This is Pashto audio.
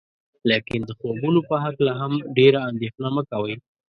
لیکن د خوبونو په هکله هم ډیره اندیښنه مه کوئ.